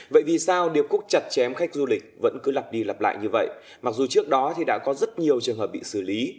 vậy vì sao điệp cúc chặt chém khách du lịch vẫn cứ lặp đi lặp lại như vậy mặc dù trước đó thì đã có rất nhiều trường hợp bị xử lý